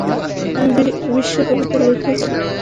আমি বিশ্ব কবিতা শিখিয়েছিলাম।